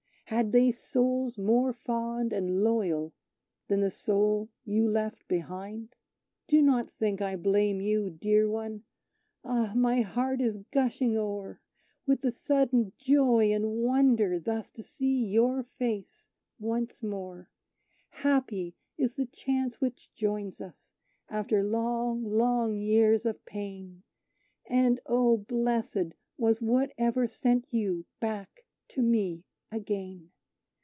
Had they souls more fond and loyal than the soul you left behind? Do not think I blame you, dear one! Ah! my heart is gushing o'er With the sudden joy and wonder, thus to see your face once more. Happy is the chance which joins us after long, long years of pain: And, oh, blessed was whatever sent you back to me again!